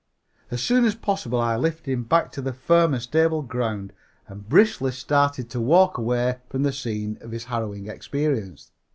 As soon as possible I lifted him back to the firm and stable ground and briskly started to walk away from the scene of his harrowing experience.